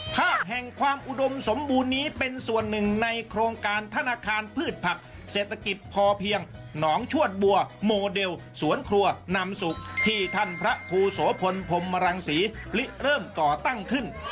ภาพแห่งความอุดมสมบูรณ์นี้เป็นส่วนหนึ่งในโครงการธนาคารพืชผักเศรษฐกิจพอเพียงหนองชวดบัวโมเดลสวนครัวนำสุขที่ท่านพระครูโสพลพรมรังศรีลิเริ่มก่อตั้งขึ้น